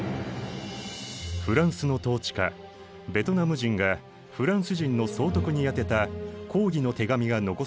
フランスの統治下ベトナム人がフランス人の総督に宛てた抗議の手紙が残されている。